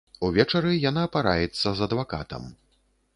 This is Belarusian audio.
Увечары яна параіцца з адвакатам.